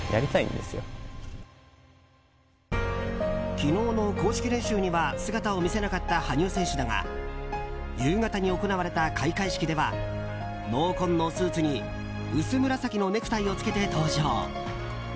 昨日の公式練習には姿を見せなかった羽生選手だが夕方に行われた開会式では濃紺のスーツに薄紫のネクタイを着けて登場。